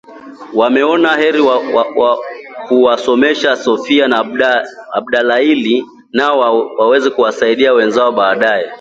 wameona heri kuwasomesha Sofia na Abdalaili nao wangewasaidia wenzao baadaye